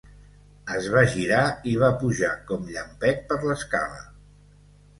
Es va girar i va pujar com llampec per l'escala.